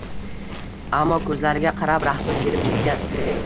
Ammo ko’zlariga qarab rahmim kelib ketgan